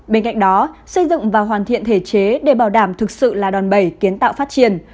bên cạnh đó xây dựng và hoàn thiện thể chế để bảo đảm thực sự là đòn bẩy kiến tạo phát triển